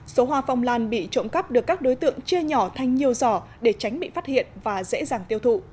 số hoa phong lan bị trộm cắp được các đối tượng chia nhỏ thành nhiều giỏ để tránh bị phát hiện và dễ dàng tiêu thụ